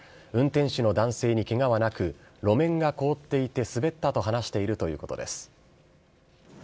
運転手の男性にけがはなく、路面が凍っていて滑ったと話しているということです。